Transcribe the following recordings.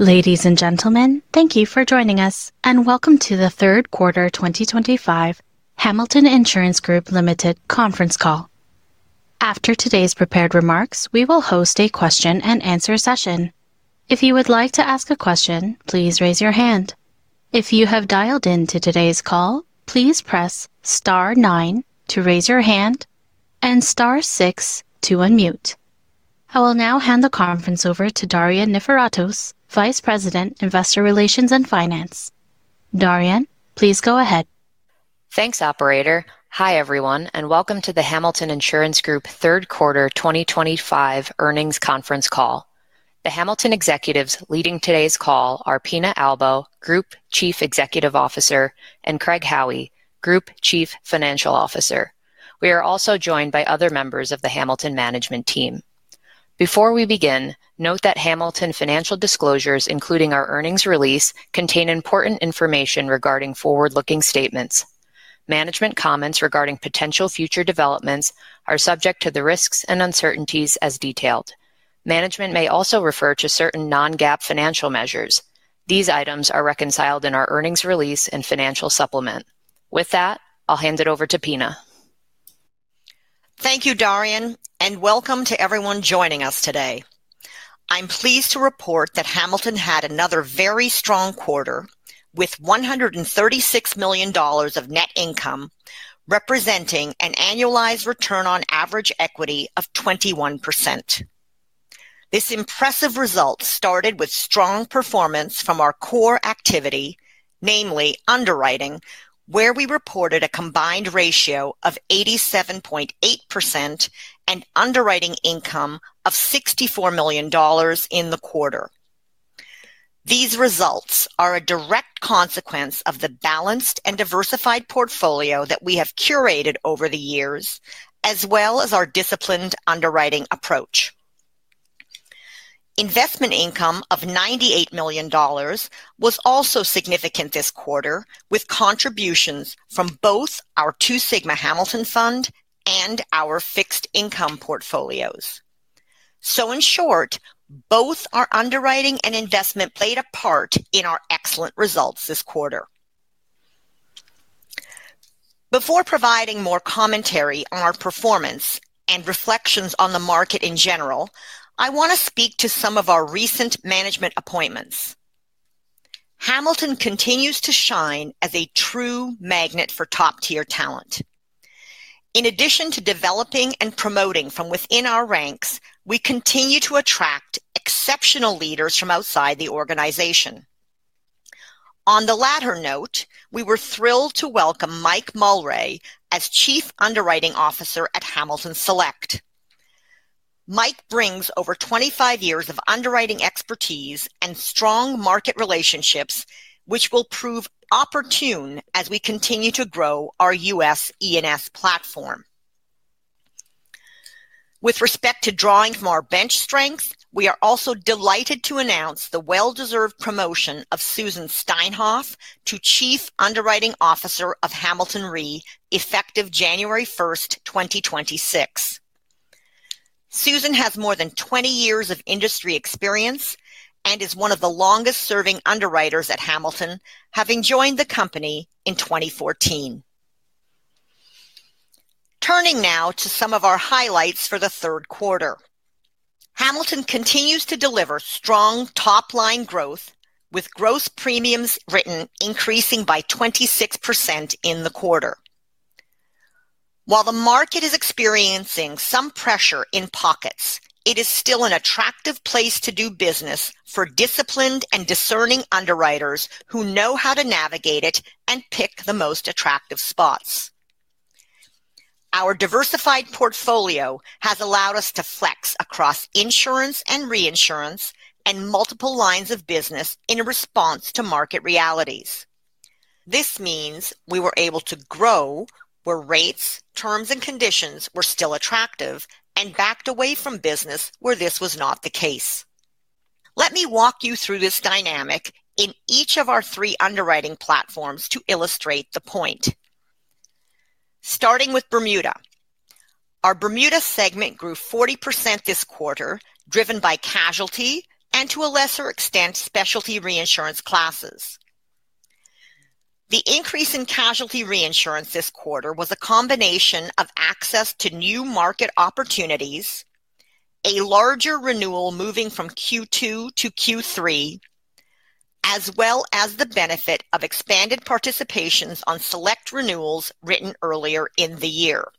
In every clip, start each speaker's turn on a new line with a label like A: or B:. A: Ladies and gentlemen, thank you for joining us and welcome to the third quarter 2025 Hamilton Insurance Group Limited conference call. After today's prepared remarks, we will host a question-and-answer session. If you would like to ask a question, please raise your hand. If you have dialed in to today's call, please press star nine to raise your hand and star six to unmute. I will now hand the conference over to Darian Niforatos, Vice President, Investor Relations and Finance. Darian, please go ahead.
B: Thanks Operator. Hi everyone and welcome to the Hamilton Insurance Group third quarter 2025 earnings conference call. The Hamilton executives leading today's call are Pina Albo, Group Chief Executive Officer, and Craig Howey, Group Chief Financial Officer. We are also joined by other members of the Hamilton management team. Before we begin, note that Hamilton financial disclosures, including our earnings release, contain important information regarding forward-looking statements. Management comments regarding potential future developments are subject to the risks and uncertainties as detailed. Management may also refer to certain non-GAAP financial measures. These items are reconciled in our earnings release and financial supplement. With that, I'll hand it over to Pina.
C: Thank you Darian and welcome to everyone joining us today. I'm pleased to report that Hamilton had another very strong quarter with $136 million of net income representing an annualized return on average equity of 21%. This impressive result started with strong performance from our core activity, namely underwriting, where we reported a combined ratio of 87.8% and underwriting income of $64 million in the quarter. These results are a direct consequence of the balanced and diversified portfolio that we have curated over the years as well as our disciplined underwriting approach. Investment income of $98 million was also significant this quarter with contributions from both our Two Sigma Hamilton Fund and our fixed income portfolios. In short, both our underwriting and investment played a part in our excellent results this quarter. Before providing more commentary on our performance and reflections on the market in general, I want to speak to some of our recent management appointments. Hamilton continues to shine as a true magnet for top tier talent. In addition to developing and promoting from within our ranks, we continue to attract exceptional leaders from outside the organization. On the latter note, we were thrilled to welcome Mike Mulray as Chief Underwriting Officer at Hamilton Select. Mike brings over 25 years of underwriting expertise and strong market relationships which will prove opportune as we continue to grow our U.S. E&S platform. With respect to drawing from our bench strength, we are also delighted to announce the well deserved promotion of Susan Steinhoff to Chief Underwriting Officer of Hamilton Re effective January 1st, 2026. Susan has more than 20 years of industry experience and is one of the longest serving underwriters at Hamilton, having joined the company in 2014. Turning now to some of our highlights for the third quarter, Hamilton continues to deliver strong top line growth with gross premiums written increasing by 26% in the quarter. While the market is experiencing some pressure in pockets, it is still an attractive place to do business for disciplined and discerning underwriters who know how to navigate it and pick the most attractive spots. Our diversified portfolio has allowed us to flex across insurance and reinsurance and multiple lines of business in response to market realities. This means we were able to grow where rates, terms and conditions were still attractive and backed away from business where this was not the case. Let me walk you through this dynamic in each of our three underwriting platforms to illustrate the point. Starting with Bermuda, our Bermuda segment grew 40% this quarter December, driven by casualty and to a lesser extent specialty reinsurance classes. The increase in casualty reinsurance this quarter was a combination of access to new market opportunities, a larger renewal moving from Q2 to Q3, as well as the benefit of expanded participations on select renewals written earlier in the year.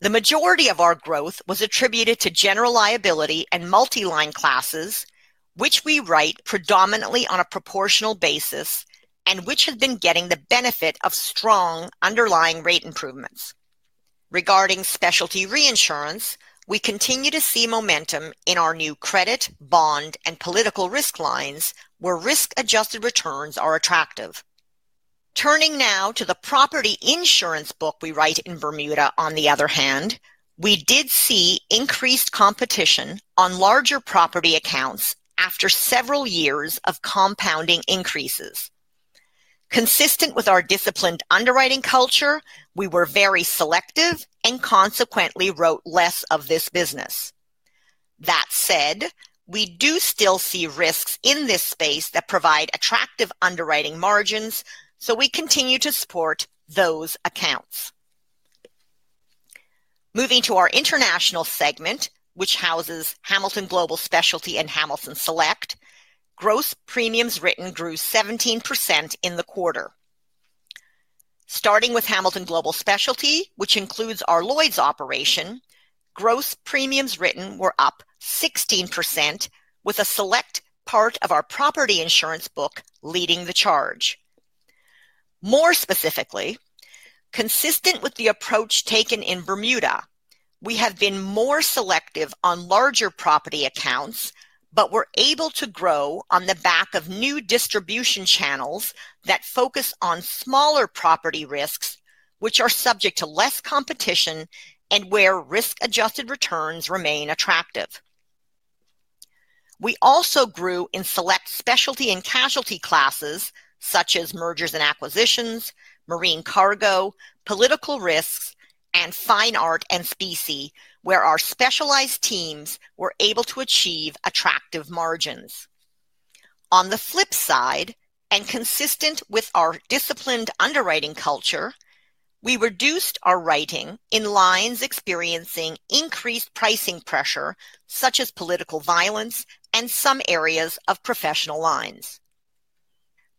C: The majority of our growth was attributed to general liability and multi line classes which we write predominantly on a proportional basis and which have been getting the benefit of strong underlying rate improvements. Regarding specialty reinsurance, we continue to see momentum in our new credit bond and political risk lines where risk adjusted returns are attractive. Turning now to the property insurance book we write in Bermuda, on the other hand, we did see increased competition on larger property accounts after several years of compounding increases. Consistent with our disciplined underwriting culture, we were very selective and consequently wrote less of this business. That said, we do still see risks in this space that provide attractive underwriting margins, so we continue to support those accounts. Moving to our international segment, which houses Hamilton Global Specialty and Hamilton Select, gross premiums written grew 17% in the quarter. Starting with Hamilton Global Specialty, which includes our Lloyd's operation, gross premiums written were up 16% with a select part of our property insurance book leading the charge. More specifically, consistent with the approach taken in Bermuda, we have been more selective on larger property accounts but were able to grow on the back of new distribution channels that focus on smaller property risks which are subject to less competition and where risk adjusted returns remain attractive. We also grew in select specialty and casualty classes such as mergers and acquisitions, marine cargo, political risks and fine art and specie, where our specialized teams were able to achieve attractive margins. On the flip side, and consistent with our disciplined underwriting culture, we reduced our writing in lines experiencing increased pricing pressure such as political violence and some areas of professional lines.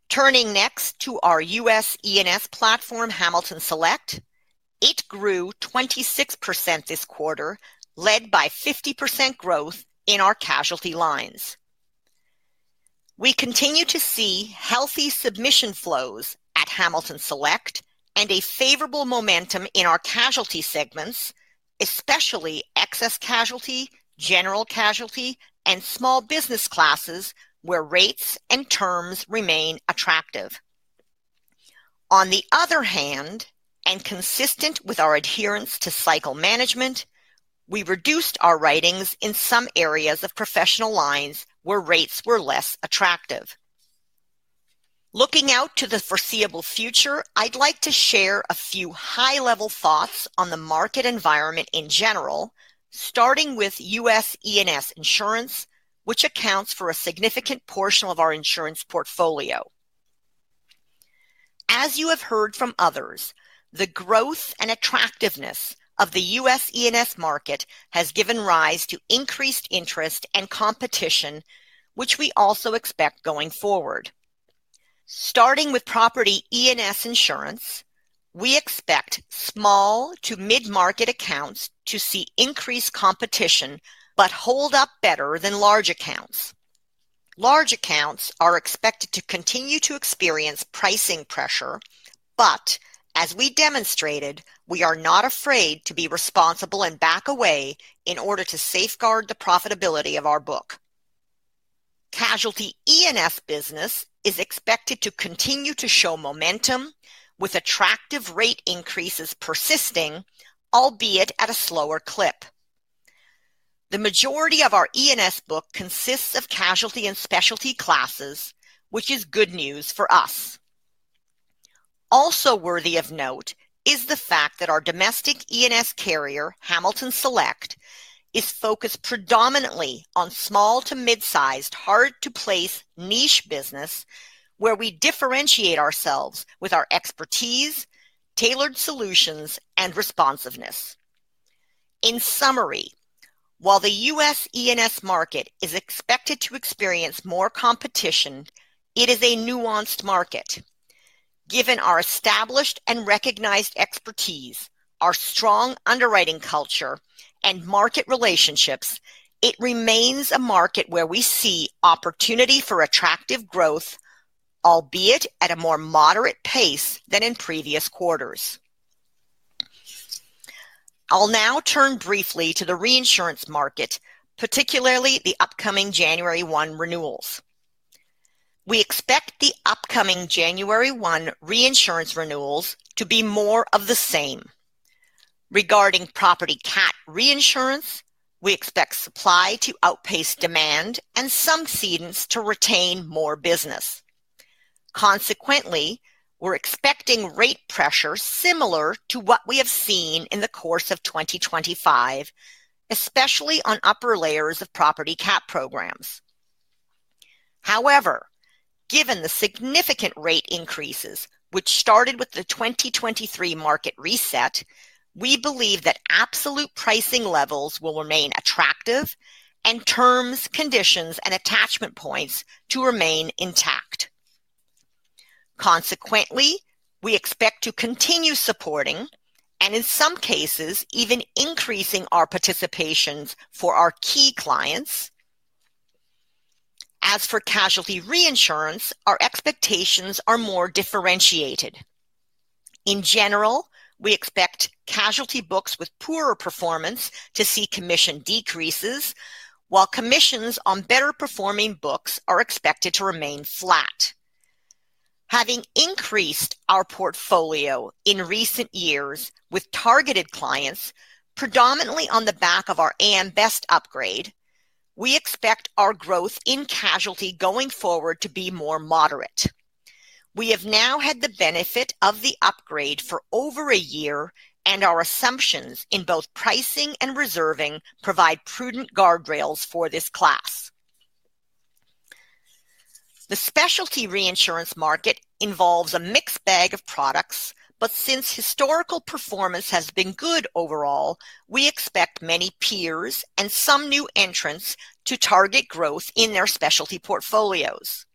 C: Turning next to our U.S. E&S platform, Hamilton Select, it grew 26% this quarter, led by 50% growth in our casualty lines. We continue to see healthy submission flows at Hamilton Select and a favorable momentum in our casualty segments, especially excess casualty, general casualty, and small business classes where rates and terms remain attractive. On the other hand, and consistent with our adherence to cycle management, we reduced our writings in some areas of professional lines where rates were less attractive. Looking out to the foreseeable future, I'd like to share a few high-level thoughts on the market environment in general, starting with U.S. E&S insurance, which accounts for a significant portion of our insurance portfolio. As you have heard from others, the growth and attractiveness of the U.S. E&S market has given rise to increased interest and competition, which we also expect going forward. Starting with property E&S insurance, we expect small to mid-market accounts to see increased competition but hold up better than large accounts. Large accounts are expected to continue to experience pricing pressure, but as we demonstrated, we are not afraid to be responsible and back away in order to safeguard the profitability of our book. Casualty E&S business is expected to continue to show momentum with attractive rate increases persisting, albeit at a slower clip. The majority of our E&S book consists of casualty and specialty classes, which is good news for us. Also worthy of note is the fact that our domestic E&S carrier, Hamilton Select, is focused predominantly on small to mid-sized, hard to place niche business where we differentiate ourselves with our expertise, tailored solutions, and responsiveness. In summary, while the U.S. E&S market is expected to experience more competition, it is a nuanced market. Given our established and recognized expertise, our strong underwriting culture and market relationships, it remains a market where we see opportunity for attractive growth, albeit at a more moderate pace than in previous quarters. I'll now turn briefly to the reinsurance market, particularly the upcoming January 1 renewals. We expect the upcoming January 1 reinsurance renewals to be more of the same. Regarding property cat reinsurance, we expect supply to outpace demand and some cedents to retain more business. Consequently, we're expecting rate pressures similar to what we have seen in the course of 2025, especially on upper layers of property cat programs. However, given the significant rate increases which started with the 2023 market reset, we believe that absolute pricing levels will remain attractive and terms, conditions and attachment points to remain intact. Consequently, we expect to continue supporting and in some cases even increasing our participations for our key clients. As for casualty reinsurance, our expectations are more differentiated. In general, we expect casualty books with poorer performance to see commission decreases, while commissions on better performing books are expected to remain flat. Having increased our portfolio in recent years with targeted clients predominantly on the back of our AM Best upgrade, we expect our growth in casualty going forward to be more moderate. We have now had the benefit of the upgrade for over a year and our assumptions in both pricing and reserving performance provide prudent guardrails for this class. The specialty reinsurance market involves a mixed bag of products, but since historical performance has been good overall, we expect many peers and some new entrants to target growth in their specialty portfolios.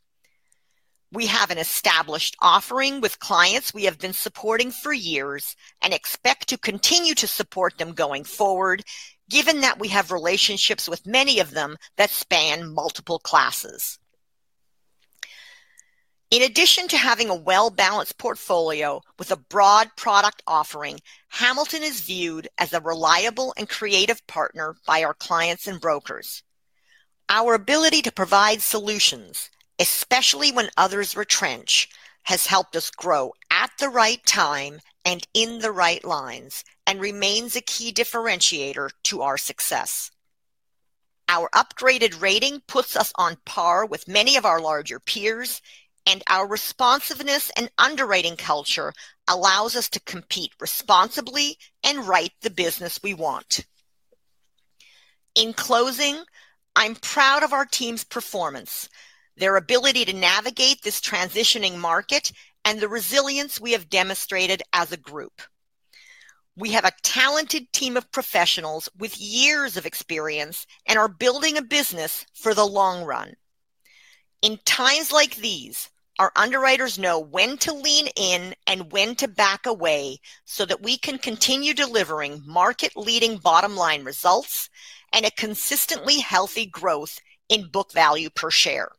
C: We have an established offering with clients we have been supporting for years and expect to continue to support them going forward given that we have relationships with many of them that span multiple classes. In addition to having a well balanced portfolio with a broad product offering, Hamilton is viewed as a reliable and creative partner by our clients and brokers. Our ability to provide solutions, especially when others retrench, has helped us grow at the right time and in the right lines and remains a key differentiator to our success. Our upgraded rating puts us on par with many of our larger peers and our responsiveness and underwriting culture allows us to compete responsibly and write the business we want. In closing, I'm proud of our team's performance, their ability to navigate this transitioning market and the resilience we have demonstrated as a group. We have a talented team of professionals with years of experience and are building a business for the long run. In times like these, our underwriters know when to lean in and when to back away so that we can continue delivering market leading bottom line results and a consistently healthy growth in book value per share.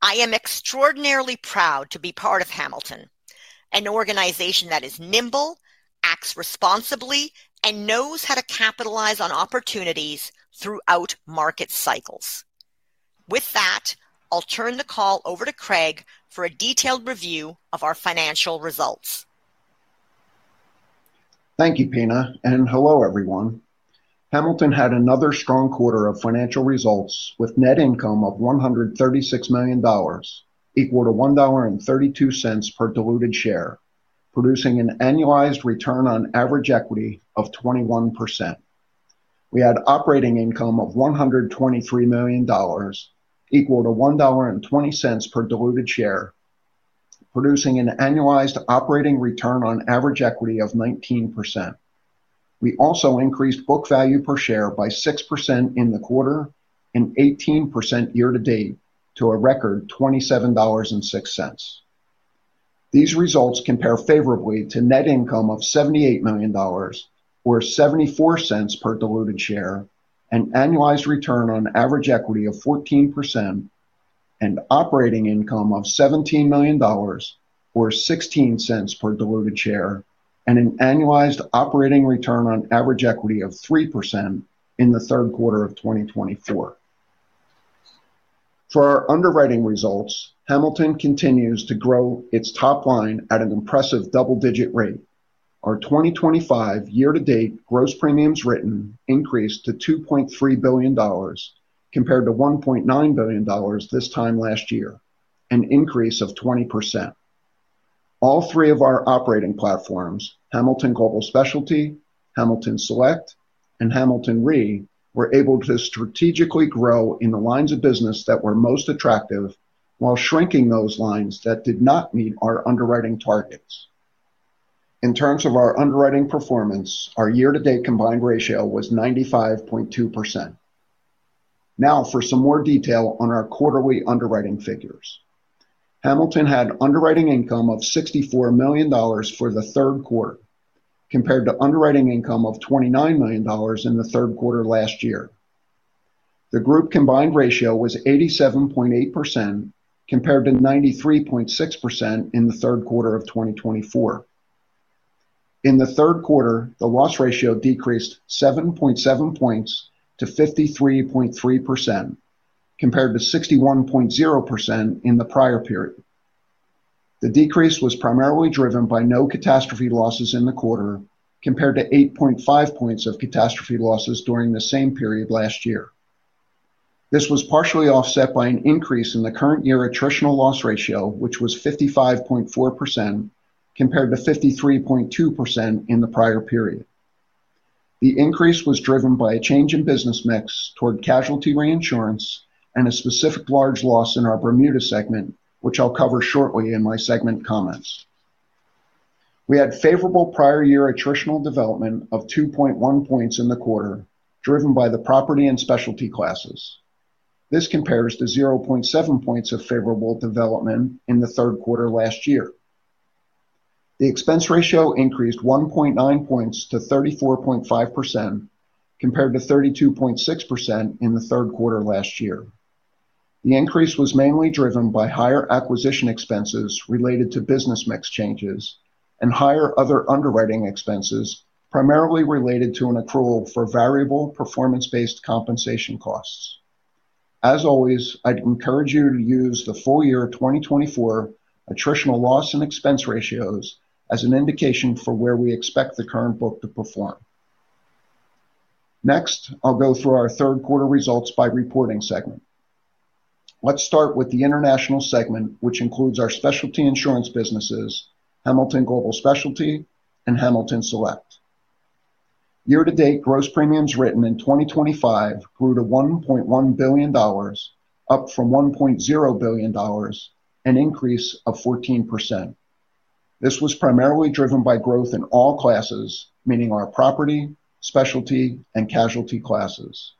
C: I am extraordinarily proud to be part of Hamilton, an organization that is nimble, acts responsibly and knows how to capitalize on opportunities throughout market cycles. With that, I'll turn the call over to Craig for a detailed review of our financial results.
D: Thank you Pina and hello everyone. Hamilton had another strong quarter of financial results with net income of $136 million equal to $1.32 per diluted share, producing an annualized return on average equity of 21%. We had operating income of $123 million equal to $1.20 per diluted share, producing an annualized operating return on average equity of 19%. We also increased book value per share by 6% in the quarter and 18% year-to-date to a record $27.06. These results compare favorably to net income of $78 million or $0.74 per diluted share, an annualized return on average equity of 14% and operating income of $17 million or $0.16 per diluted share and an annualized operating return on average equity of 3% in the third quarter of 2024. For our underwriting results, Hamilton continues to grow its top line at an impressive double digit rate. Our 2025 year-to-date gross premiums written increased to $2.3 billion compared to $1.9 billion this time last year, an increase of 20%. All three of our operating platforms, Hamilton Global Specialty, Hamilton Select and Hamilton Re were able to strategically grow in the lines of business that were most attractive while shrinking those lines that did not meet our underwriting targets. In terms of our underwriting performance, our year-to-date combined ratio was 95.2%. Now for some more detail on our quarterly underwriting figures. Hamilton had underwriting income of $64 million for the third quarter compared to underwriting income of $29 million in the third quarter last year. The group combined ratio was 87.8% compared to 93.6% in the third quarter of 2024. In the third quarter the loss ratio decreased 7.7 points to 53.3% compared to 61.0% in the prior period. The decrease was primarily driven by no catastrophe losses in the quarter compared to 8.5 points of catastrophe losses during the same period last year. This was partially offset by an increase in the current year attritional loss ratio which was 55.0% compared to 53.2% in the prior period. The increase was driven by a change in business mix toward casualty reinsurance and a specific large loss in our Bermuda segment which I'll cover shortly. In my segment comments. We had favorable prior year attritional development of 2.1 points in the quarter driven by the property and specialty classes. This compares to 0.7 points of favorable development in the third quarter last year. The expense ratio increased 1.9 points to 34.5% compared to 32.6% in the third quarter last year. The increase was mainly driven by higher acquisition expenses related to business mix changes and higher other underwriting expenses primarily related to an accrual for variable performance-based compensation costs. As always, I encourage you to use the full year 2024 attritional loss and expense ratios as an indication for where we expect the current book to perform. Next, I'll go through our third quarter results by reporting segment. Let's start with the International segment which includes our specialty insurance businesses, Hamilton Global Specialty and Hamilton Select. Year-to-date, gross premiums written in 2025 grew to $1.1 billion, up from $1.0 billion, an increase of 14%. This was primarily driven by growth in all classes, meaning our property, specialty, and casualty classes.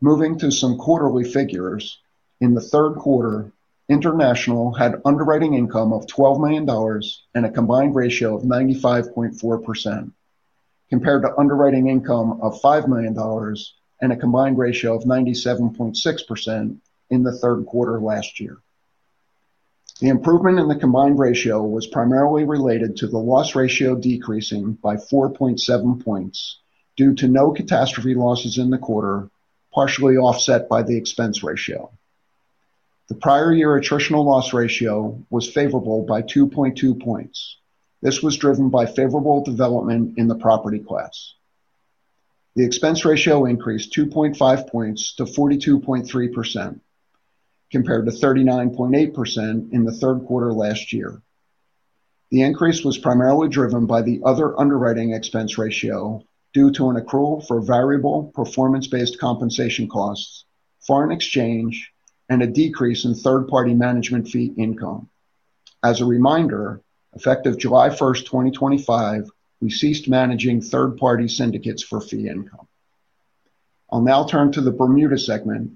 D: Moving to some quarterly figures in the third quarter, International had underwriting income of $12 million and a combined ratio of 95.4% compared to underwriting income of $5 million and a combined ratio of 97.6% in the third quarter last year. The improvement in the combined ratio was primarily related to the loss ratio decreasing by 4.7 points due to no catastrophe losses in the quarter, partially offset by the expense ratio. The prior year attritional loss ratio was favorable by 2.2 points. This was driven by favorable development in the property class. The expense ratio increased 2.5 points to 42.3% compared to 39.8% in the third quarter last year. The increase was primarily driven by the other underwriting expense ratio due to an accrual for variable performance based compensation costs, foreign exchange and a decrease in third party management fee income. As a reminder, effective July 1st, 2025, we ceased managing third-party syndicates for fee income. I'll now turn to the Bermuda segment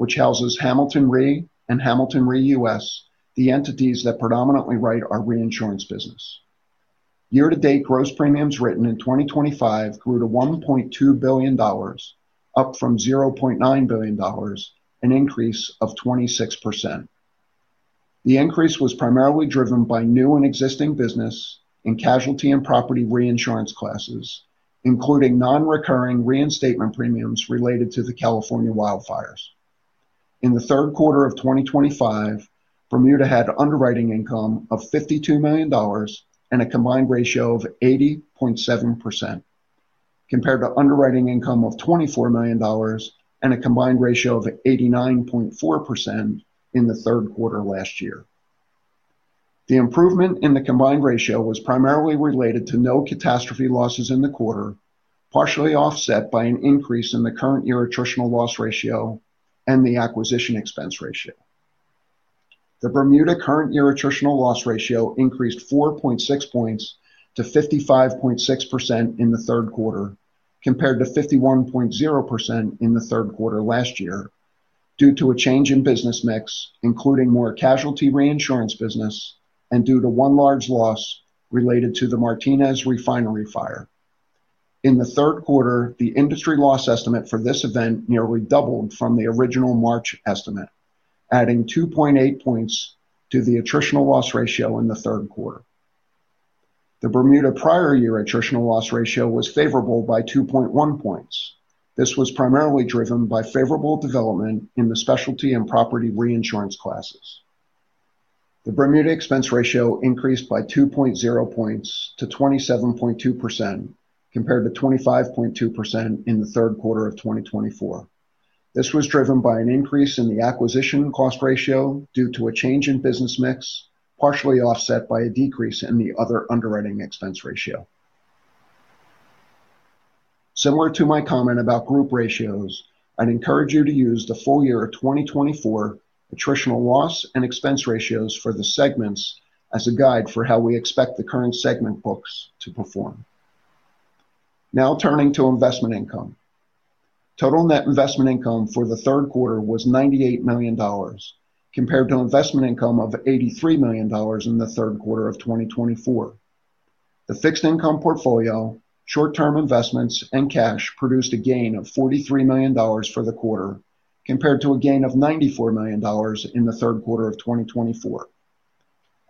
D: which houses Hamilton Re and Hamilton Re U.S., the entities that predominantly write our reinsurance business. Year-to-date, gross premiums written in 2025 grew to $1.2 billion, up from $0.9 billion, an increase of 26%. The increase was primarily driven by new and existing business in casualty and property reinsurance classes, including non-recurring reinstatement premiums related to the California wildfires. In the third quarter of 2025, Bermuda had underwriting income of $52 million and a combined ratio of 80.7% compared to underwriting income of $24 million and a combined ratio of 89.4% in the third quarter last year. The improvement in the combined ratio was primarily related to no catastrophe losses in the quarter, partially offset by an increase in the current year attritional loss ratio and the acquisition expense ratio. The Bermuda current year attritional loss ratio increased 4.6 points to 55.6% in the third quarter compared to 51.0% in the third quarter last year due to a change in business mix including more casualty reinsurance business and due to one large loss related to the Martinez refinery fire. In the third quarter, the industry loss estimate for this event nearly doubled from the original March estimate, adding 2.8 points to the attritional loss ratio. In the third quarter, the Bermuda prior year attritional loss ratio was favorable by 2.1 points. This was primarily driven by favorable development in the specialty and property reinsurance classes. The Bermuda expense ratio increased by 2.0 points to 27.2% compared to 25.2% in the third quarter of 2024. This was driven by an increase in the acquisition cost ratio due to a change in business mix, partially offset by a decrease in the other underwriting expense ratio. Similar to my comment about group ratios, I'd encourage you to use the full year 2024 attritional loss and expense ratios for the segments as a guide for how we expect the current segment books to perform. Now turning to investment income, total net investment income for the third quarter was $98 million compared to investment income of $83 million in the third quarter of 2024. The fixed income portfolio, short-term investments and cash produced a gain of $43 million for the quarter compared to a gain of $94 million in the third quarter of 2024.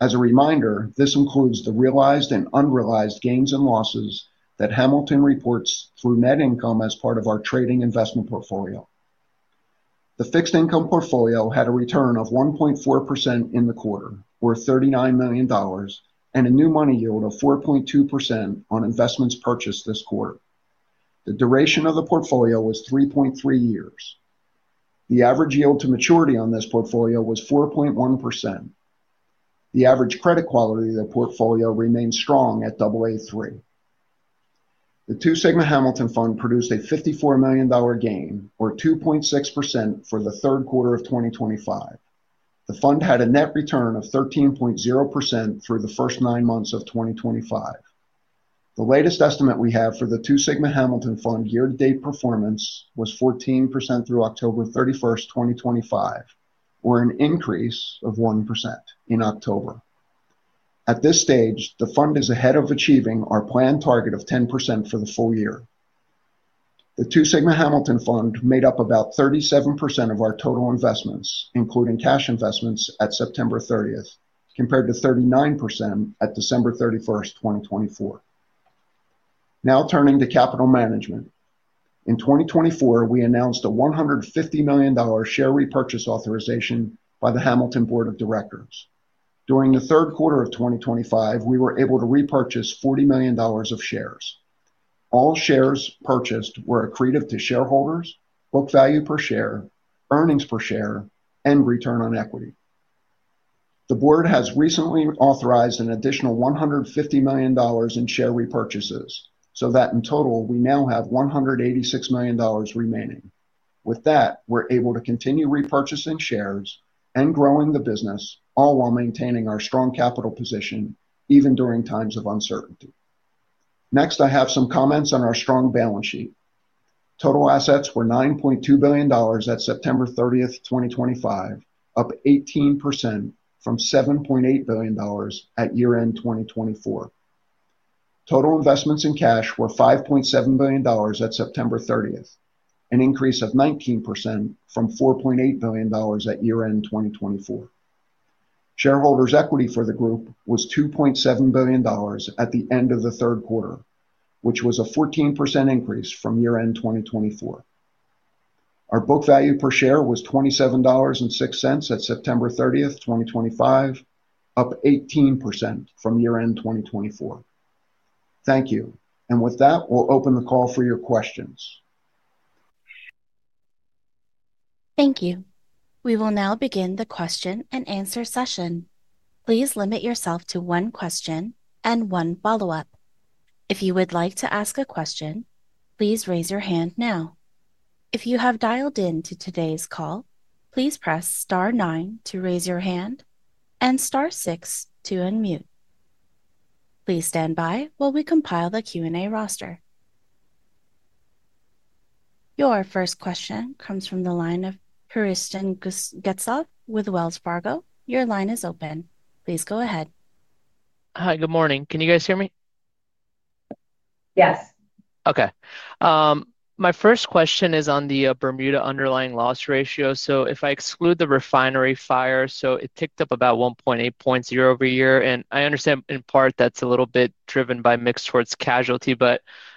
D: As a reminder, this includes the realized and unrealized gains and losses that Hamilton reports through net income as part of our trading investment portfolio. The fixed income portfolio had a return of 1.4% in the quarter worth $39 million and a new money yield of 4.2% on investments purchased this quarter. The duration of the portfolio was 3.3 years. The average yield to maturity on this portfolio was 4.1%. The average credit quality of the portfolio remains strong at Aa3. The Two Sigma Hamilton Fund produced a $54 million gain, or 2.6%, for the third quarter of 2025. The fund had a net return of 13.0% through the first nine months of 2025, the latest estimate we have for the Two Sigma Hamilton Fund year-to-date. Performance was 14% through October 31st, 2025, or an increase of 1% in October. At this stage, the fund is ahead of achieving our planned target of 10% for the full year. The Two Sigma Hamilton Fund made up about 37% of our total investments, including cash investments at September 30th compared to 39% at December 31st, 2024. Now turning to capital management. In 2024, we announced a $150 million share repurchase authorization by the Hamilton Board of Directors. During the third quarter of 2025, we were able to repurchase $40 million of shares. All shares purchased were accretive to shareholders' book value per share, earnings per share, and return on equity. The Board has recently authorized an additional $150 million in share repurchases, so that in total, we now have $186 million remaining. With that, we are able to continue repurchasing shares and growing the business, all while maintaining our strong capital position even during times of uncertainty. Next, I have some comments on our strong balance sheet. Total assets were $9.2 billion at September 30th, 2025, up 18% from $7.8 billion at year end 2024. Total investments and cash were $5.7 billion at September 30th, an increase of 19% from $4.8 billion at year end 2024. Shareholders' equity for the group was $2.7 billion at the end of the third quarter, which was a 14% increase from year end 2024. Our book value per share was $27.06 at September 30th, 2025, up 18% from year end 2024. Thank you. With that, we'll open the call for your questions.
A: Thank you. We will now begin the question-and-answer session. Please limit yourself to one question and one follow up. If you would like to ask a question, please raise your hand. Now, if you have dialed in to today's call, please press star nine to raise your hand and star six to unmute. Please stand by while we compile the Q&A roster. Your first question comes from the line of Hristiyan Getsov with Wells Fargo. Your line is open. Please go ahead.
E: Hi, good morning. Can you guys hear me?
C: Yes.
E: Okay, my first question is on the Bermuda underlying loss ratio. So if I exclude the refinery fire. It ticked up about 1.8 points over year. I understand in part that's a little bit driven by mix towards casualty.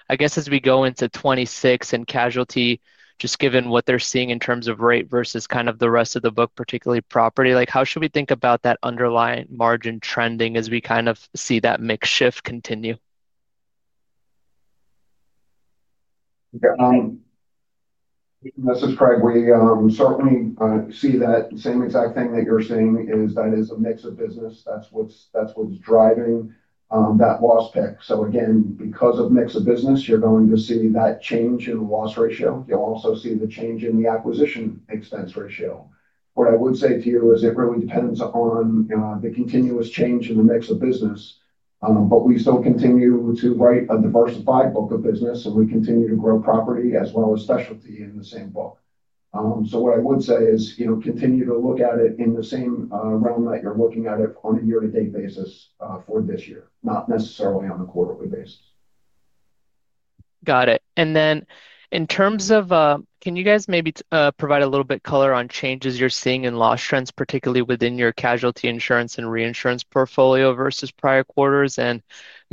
E: I guess as we go into 2026 and casualty, just given what they're seeing in terms of rate versus kind of the rest of the book, particularly property, how should we think about that underlying margin trending as we kind of see that mix shift continue?
D: This is Craig, we certainly see that same exact thing that you're seeing is that is a mix of business. That's what's driving that loss pick. Again, because of mix of business, you're going to see that change in loss ratio. You'll also see the change in the acquisition expense ratio. What I would say to you is it really depends on the continuous change in the mix of business. We still continue to write a diversified book of business and we continue to grow property as well as specialty in the same book. What I would say is, you know, continue to look at it in the same realm that you're looking at it on a year-to-date basis, basis for this year, not necessarily on a quarterly basis.
E: Got it. In terms of, can you guys maybe provide a little bit of color on changes you're seeing in loss trends, particularly within your casualty insurance and reinsurance portfolio versus prior quarters, and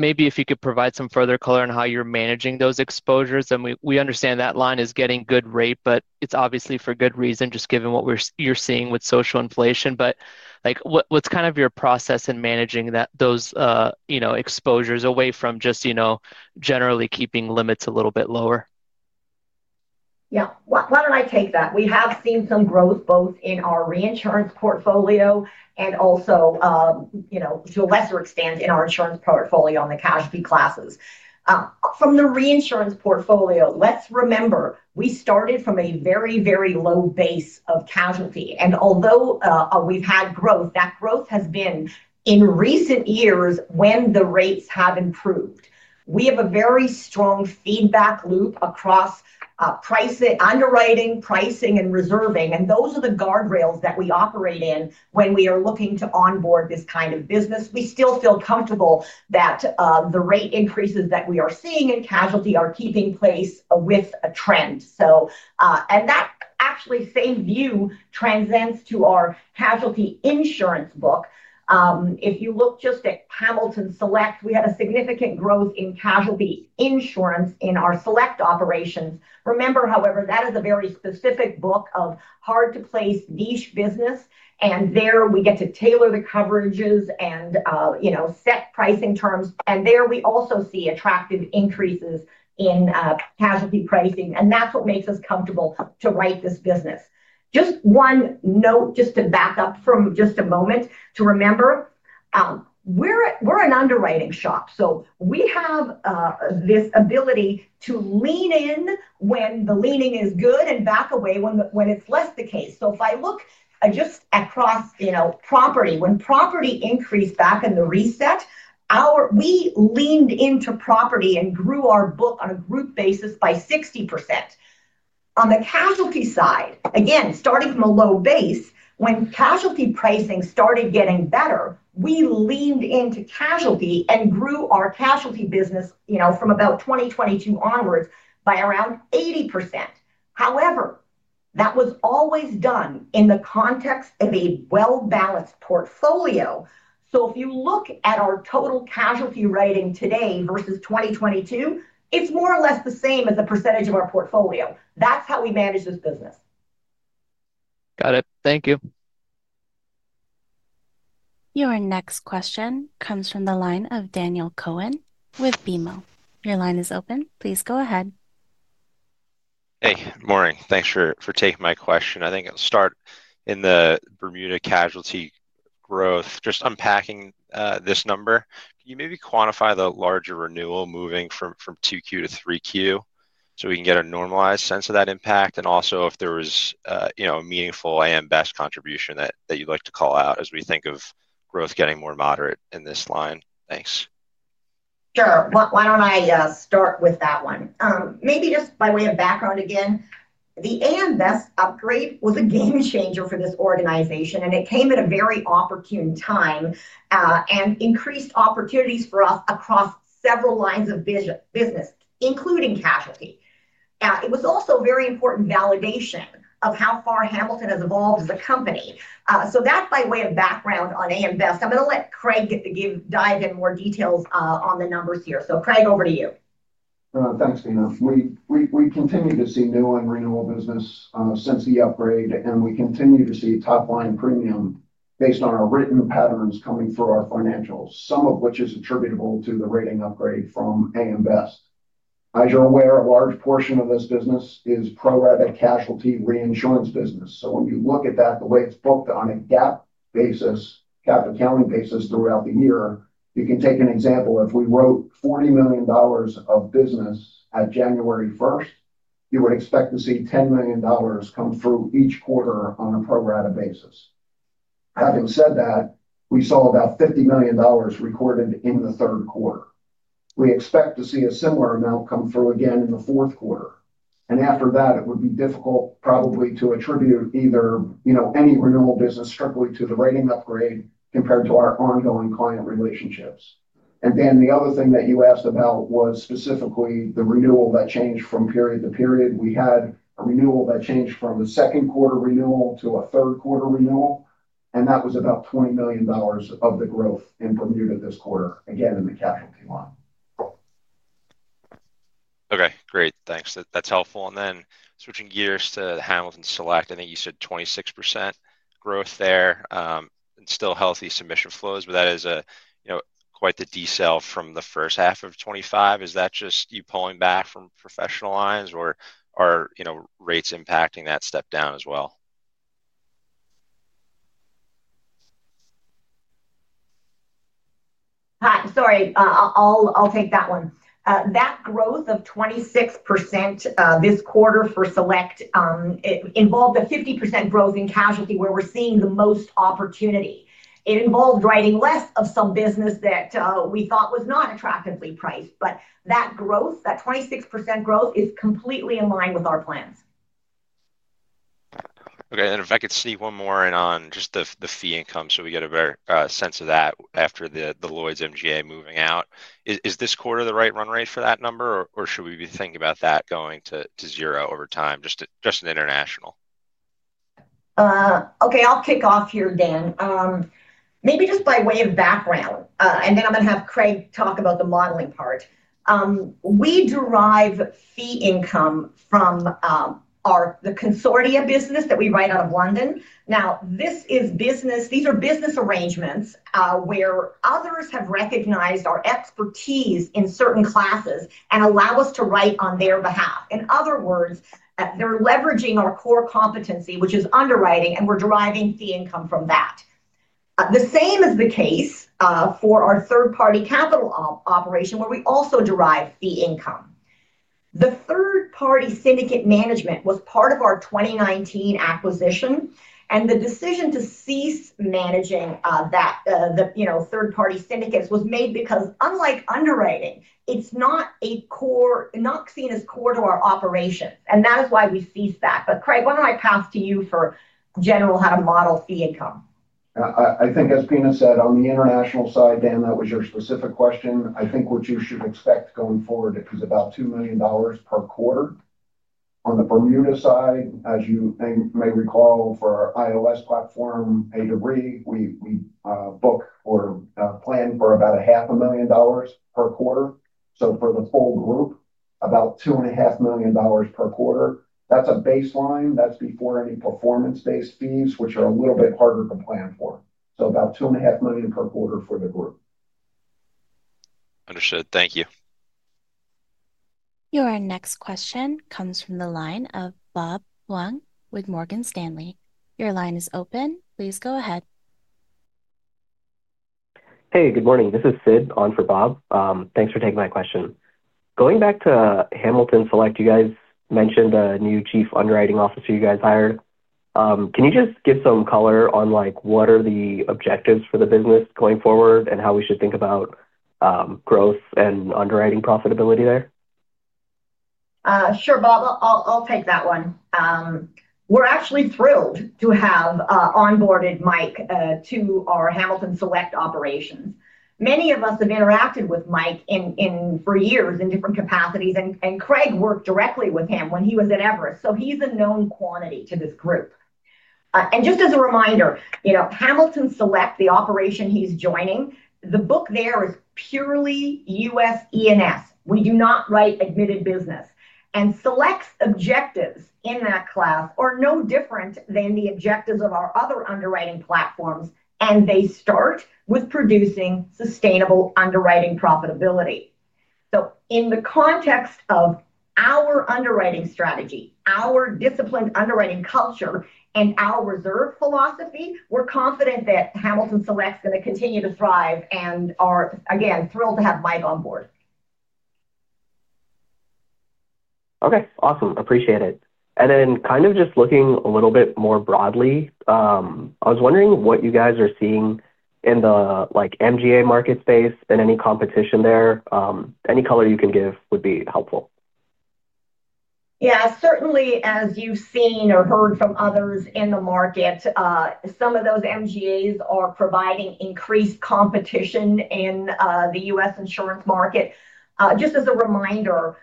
E: maybe if you could provide some further color on how you're managing those exposures. We understand that line is getting good rate, but it's obviously for good reason just given what we're seeing with social inflation. Like, what's kind of your process in managing those exposures away from just generally keeping limits a little bit lower?
C: Yeah, why don't I take that. We have seen some growth both in our reinsurance portfolio and also, you know, to a lesser extent in our insurance portfolio on the casualty classes. From the reinsurance portfolio, let's remember we started from a very, very low base of casualty and although we've had growth, that growth has been in recent years when the rates have improved. We have a very strong feedback loop across underwriting, pricing, and reserving. Those are the guardrails that we operate in when we are looking to onboard this kind of business. We still feel comfortable that the rate increases that we are seeing in casualty are keeping pace with a trend that actually same view transcends to our casualty insurance book. If you look just at Hamilton Select, we had significant growth in casualty insurance in our Select operations. Remember however, that is a very specific book of hard to place niche business. There we get to tailor the coverages and set pricing terms and there we also see attractive increases in casualty pricing. That is what makes us comfortable to write this business. Just one note, just to back up from just a moment to remember we are an underwriting shop. We have this ability to lean in when the leaning is good and back away when it is less the case. If I look just across property, when property increased back in the reset, we leaned into property and grew our book on a group basis by 60%. On the casualty side, again starting from a low base. When casualty pricing started getting better, we leaned into casualty and grew our casualty business from about 2022 onwards by around 80%.However, that was always done in the context of a well balanced portfolio. If you look at our total casualty writing today versus 2022, it's more or less the same as the percentage of our portfolio. That's how we manage this business.
E: Got it. Thank you.
A: Your next question comes from the line of Daniel Cohen with BMO. Your line is open. Please go ahead. Hey Maureen, thanks for taking my question. I think I'll start in the Bermuda casualty growth. Just unpacking this number, can you maybe quantify the larger renewal moving from 2Q to 3Q so we can get a normalized sense of that impact and also if there was, you know, a meaningful AM Best contribution that you'd like to call out as we think of growth getting more moderate in this line. Thanks.
C: Sure. Why do not I start with that one? Maybe just by way of background again, the AM Best upgrade was a game changer for this organization and it came at a very opportune time and increased opportunities for us across several lines of business, including casualty. It was also very important validation of how far Hamilton has evolved as a company. That by way of background on AM Best, I am going to let Craig dive in more details on the numbers here. Craig, over to you.
D: Thanks, Pina. We continue to see new and renewal business since the upgrade, and we continue to see top line premium based on our written patterns coming through our financials, some of which is attributable to the rating upgrade from AM Best. As you're aware, a large portion of this business is pro rata casualty reinsurance business. When you look at that, the way it's booked on a GAAP basis, cap accounting basis throughout the year, you can take an example. If we wrote $40 million of business at January 1st, you would expect to see $10 million come through each quarter on a pro rata basis. Having said that, we saw about $50 million recorded in the third quarter. We expect to see a similar amount come through again in the fourth quarter. After that it would be difficult probably to attribute either, you know, any renewal business strictly to the rating upgrade compared to our ongoing client relationships. The other thing that you asked about was specifically the renewal that changed from period to period. We had a renewal that changed from the second quarter renewal to a third quarter renewal and that was about $20 million of the growth in Bermuda this quarter again in the casualty line. Okay, great. Thanks, that's helpful. Then switching gears to the Hamilton Select. I think you said 26% growth there and still healthy submission flows. That is quite the decel from the first half of 2025. Is that just you pulling back from professional lines or are rates impacting that step down as well?
C: Sorry, I'll take that one. That growth of 26% this quarter for Select involved a 50% growth in casualty where we're seeing the most opportunity. It involved writing less of some business that we thought was not attractively priced. That growth, that 26% growth is completely in line with our plans. Okay, and if I could sneak one more in on just the fee income so we get a better sense of that after the Lloyd's MGA moving out. Is this quarter the right run rate for that number or should we be thinking about that going to zero over time? Just an international. Okay, I'll kick off here, Dan, maybe just by way of background and then I'm going to have Craig talk about the modeling part. We derive fee income from our consortium business that we write out of London. Now this is business. These are business arrangements where others have recognized our expertise in certain classes and allow us to write on their behalf. In other words, they're leveraging our core competency which is underwriting and we're driving fee income from that. The same is the case for our third-party capital operation where we also derive fee income. The third-party syndicate management was part of our 2019 acquisition and the decision to cease managing the, you know, third-party syndicates was made because unlike underwriting, it's not a core, not seen as core to our operations. That is why we cease that. Craig, why do not I pass to you for general how to model fee income?
D: I think as Pina said on the international side, Dan, that was your specific question. I think what you should expect going forward is about $2 million per quarter. On the Bermuda side, as you may recall, for our E&S platform A to Re, we book or plan for about $500,000 per quarter. For the full group, about $2.5 million per quarter. That is a baseline. That is before any performance-based fees which are a little bit harder to plan for. About $2.5 million per quarter for the group. Understood, thank you.
A: Your next question comes from the line of Sid with Morgan Stanley. Your line is open. Please go ahead. Hey, good morning, this is Sid on for Bob. Thanks for taking my question. Going back to Hamilton Select. You guys mentioned a new Chief Underwriting Officer you guys hired. Can you just give some color on, like, what are the objectives for the business going forward and how we should think about growth and underwriting profitability there?
C: Sure, Bob. I'll take that one. We're actually thrilled to have onboarded Mike to our Hamilton Select operations. Many of us have interacted with Mike for years in different capacities, and Craig worked directly with him when he was at Everest, so he is a known quantity to this group. And just as a reminder, you know, Hamilton Select, the operation he is joining, the book there is purely U.S. E&S. We do not write admitted business. Select's objectives in that class are no different than the objectives of our other underwriting plan platforms. They start with producing sustainable underwriting profitability. In the context of our underwriting strategy, our disciplined underwriting culture, and our reserve philosophy, we're confident that Hamilton Select is going to continue to thrive and are again, thrilled to have Mike on board. Okay, awesome. Appreciate it. Kind of just looking a little bit more broadly, I was wondering what you guys are seeing in the, like, MGA market space and any competition there, any color you can give would be helpful. Yeah, certainly, as you've seen or heard from others in the market, some of those MGAs are providing increased competition in the US insurance market. Just as a reminder,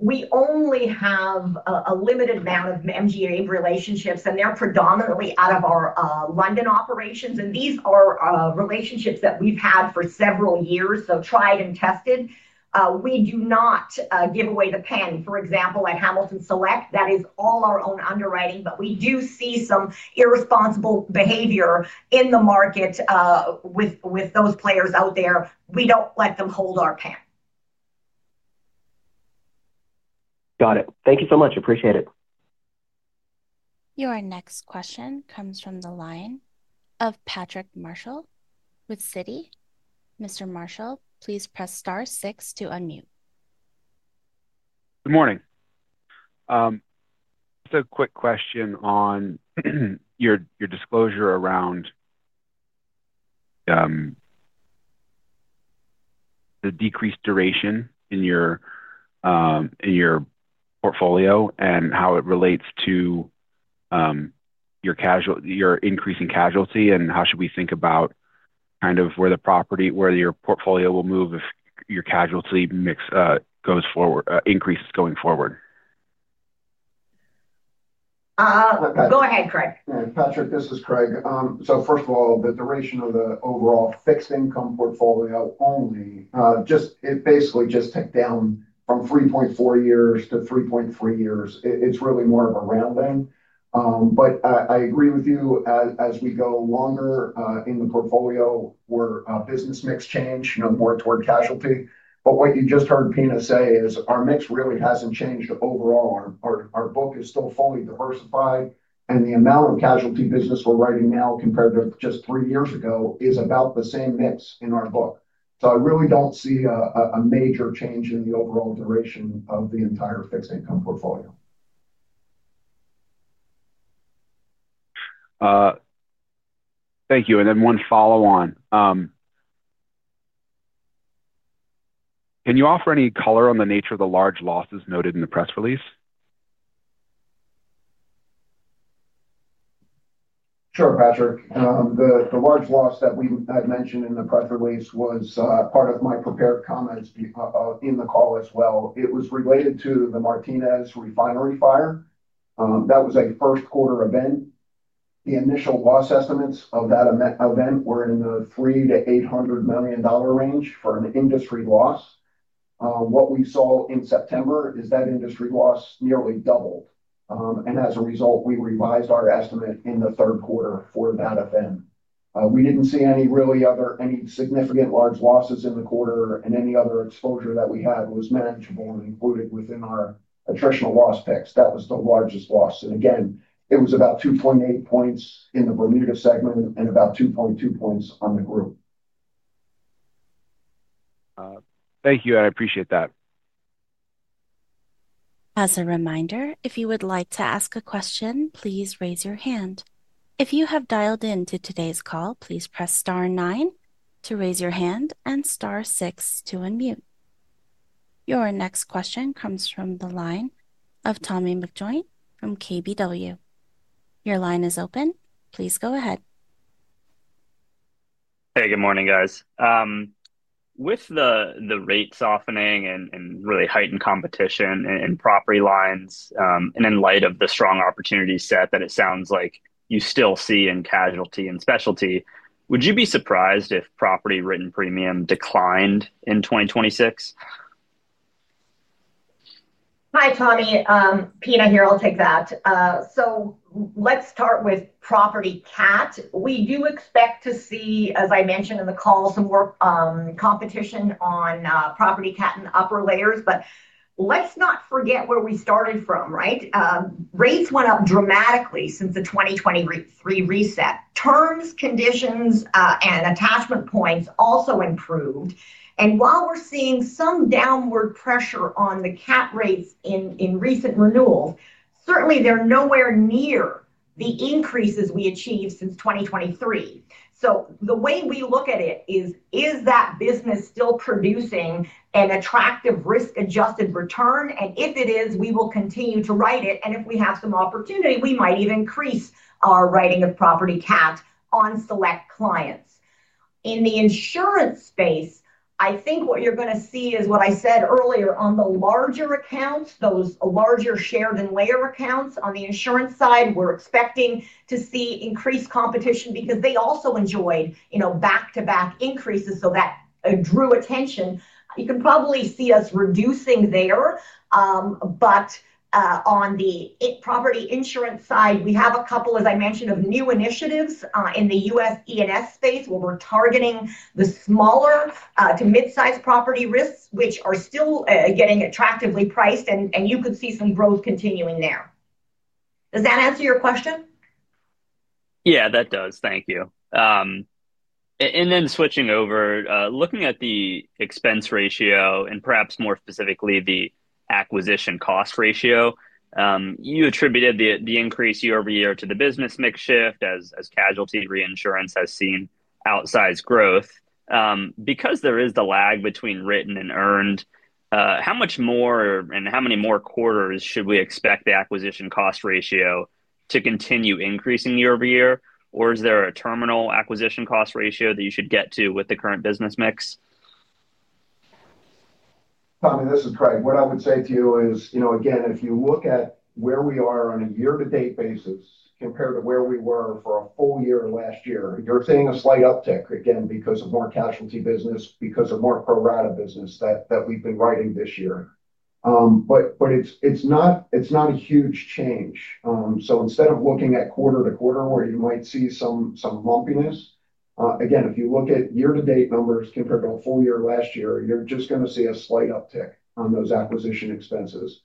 C: we only have a limited amount of MGA relationships and they're predominantly out of our London operations. These are relationships that we've had for several years, so tried and tested. We do not give away the pen, for example, at Hamilton Select. That is all our own underwriting. We do see some irresponsible behavior in the market with those players out there. We don't let them hold our pen. Got it. Thank you so much. Appreciate it.
A: Your next question comes from the line of Patrick Marshall with Citi. Mr. Marshall, please press star six to unmute.
F: Good morning. Quick question on your disclosure around the decreased duration in your portfolio and how it relates to your increasing casualty, and how should we think about kind of where the property, where your portfolio will move if your casualty mix goes forward, increases going forward.
C: Go ahead, Craig.
D: Patrick, this is Craig. First of all, the duration of the overall fixed income portfolio only just. It basically just ticked down from 3.4 years to 3.3 years. It is really more of a round thing. I agree with you as we go longer in the portfolio where business mix change more toward casualty. What you just heard Pina say is our mix really has not changed. Overall, our book is still fully diversified and the amount of casualty business we are writing now compared to just three years ago is about the same mix in our book. I really do not see a major change in the overall duration of the entire fixed income portfolio.
F: Thank you. One follow on. Can you offer any color on the nature of the large losses noted in the press release?
D: Sure Patrick. The large loss that we had mentioned in the press release was part of my prepared comments in the call as well. It was related to the Martinez refinery fire. That was a first quarter event. The initial loss estimates of that event were in the $300 million-$800 million range for an industry loss. What we saw in September is that industry loss nearly doubled and as a result we revised our estimate in the third quarter for that event. We did not see any really other any significant large losses in the quarter and any other exposure that we had was manageable, included within our attritional loss picks. That was the largest loss and again it was about 2.8 percentage points in the Bermuda segment and about 2.2 percentage points on the group.
F: Thank you and I appreciate that.
A: As a reminder, if you would like to ask a question, please raise your hand. If you have dialed in to today's call, please press star nine to raise your hand and star six to unmute. Your next question comes from the line of Tommy McJoint from KBW. Your line is open. Please go ahead.
G: Hey, good morning guys. With the rate softening and really heightened competition in property lines and in light of the strong opportunity set that it sounds like you still see in casualty and specialty, would you be surprised if property written premium declined in 2026?
C: Hi, Tommy, Pina here. I'll take that. Let's start with [Property Cat]. We do expect to see, as I mentioned in the call, some more competition on [Property Cat] in the upper layers. Let's not forget where we started from, right? Rates went up dramatically since the 2023 reset. Terms, conditions and attachment points also improved. While we're seeing some downward pressure on the cat rates in recent renewals, certainly they're nowhere near the increases we achieved since 2023. The way we look at it is that business is still producing an attractive risk-adjusted return, and if it is, we will continue to write it. If we have some opportunity, we might even increase our writing of [Property Cat] on select clients. In the insurance space, I think what you're going to see is what I said earlier on the larger accounts, those larger shared and layer accounts. On the insurance side, we're expecting to see increased competition because they also enjoyed, you know, back to back increases. So that drew attention. You can probably see us reducing there. On the property insurance side, we have a couple, as I mentioned, of new initiatives in the U.S. E&S space where we're targeting the smaller to mid sized property risks which are still getting attractively priced and you could see some growth continuing there. Does that answer your question?
G: Yeah, that does, thank you. Switching over, looking at the expense ratio and perhaps more specifically the acquisition cost ratio, you attributed the increase year-over-year to the business mix shift as casualty reinsurance has seen outsized growth because there is the lag between written and earned. How much more and how many more quarters should we expect the acquisition cost ratio to continue increasing year-over-year? Is there a terminal acquisition cost ratio that you should get to with the current business mix?
D: Tommy, this is Craig. What I would say to you is, you know, again, if you look at where we are on a year-to-date basis compared to where we were for a full year last year, you're seeing a slight uptick again because of more casualty business, because of more pro rata business that we've been writing this year. But it's not a huge change. Instead of looking at quarter-to-quarter where you might see some lumpiness, again, if you look at year-to-date numbers compared to a full year last year, you're just going to see a slight uptick on those acquisition expenses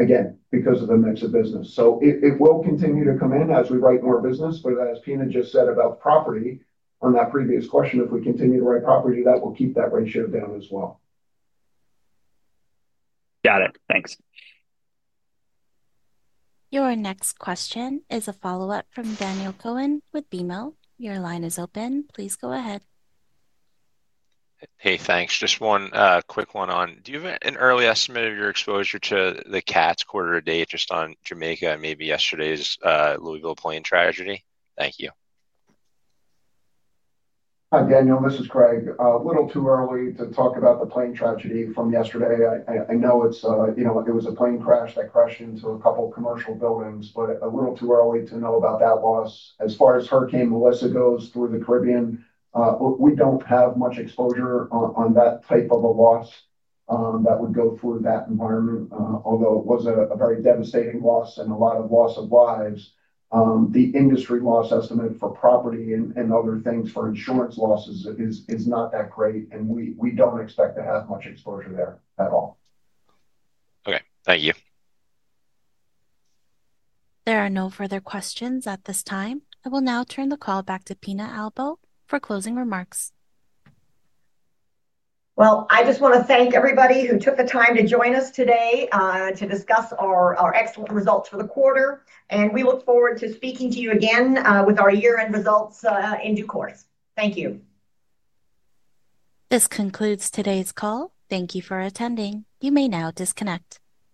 D: again because of the mix of business. It will continue to come in as we write more business. As Pina just said about property on that previous question, if we continue to write property, that will keep that ratio down as well.
G: Got it. Thanks.
A: Your next question, next question is a follow up from Daniel Cohen with BMO. Your line is open. Please go ahead. Hey, thanks. Just one quick one on. Do you have an early estimate of your exposure to the CATS quarter to date just on Jamaica, maybe yesterday's Louisville plane tragedy? Thank you.
D: Hi Daniel, this is Craig. A little too early to talk about the plane tragedy from yesterday. I know it's, you know, it was a plane crash that crashed into a couple commercial buildings, but a little too early to know about that loss. As far as Hurricane Melissa goes through the Caribbean, we don't have much exposure on that type of a loss that would go through that environment. Although it was a very devastating loss and a lot of loss of lives. The industry loss estimate for property and other things for insurance losses is not. Not that great. We don't expect to have much exposure there at all. Okay, thank you.
A: There are no further questions at this time. I will now turn the call back to Pina Albo for closing remarks.
C: I just want to thank everybody who took the time to join us today to discuss our excellent results for the quarter. We look forward to speaking to you again with our year end results in due course. Thank you.
A: This concludes today's call. Thank you for attending. You may now disconnect.